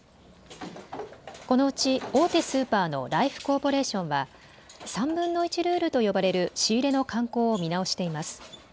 このうち大手スーパーのライフコーポレーションは３分の１ルールと呼ばれる仕入れの慣行を見直しています。